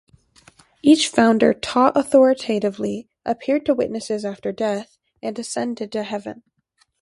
Each founder taught authoritatively, appeared to witnesses after death, and ascended to heaven.